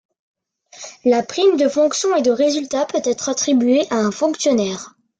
La prime de fonctions et de résultats, peut être attribuée à un fonctionnaire.